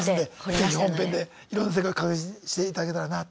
是非本編でいろんな世界を感じていただけたらなと。